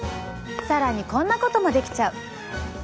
更にこんなこともできちゃう。